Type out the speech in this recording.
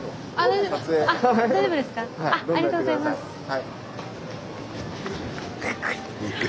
はい。